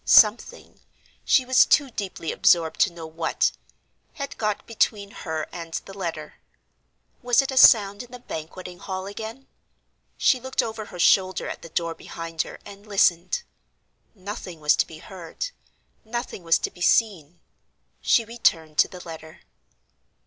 Something—she was too deeply absorbed to know what—had got between her and the letter. Was it a sound in the Banqueting Hall again? She looked over her shoulder at the door behind her, and listened. Nothing was to be heard, nothing was to be seen. She returned to the letter.